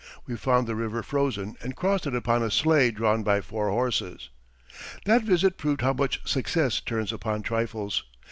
We found the river frozen and crossed it upon a sleigh drawn by four horses. That visit proved how much success turns upon trifles.